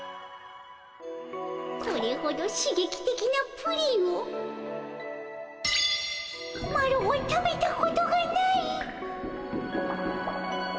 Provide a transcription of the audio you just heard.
これほどしげきてきなプリンをマロは食べたことがない。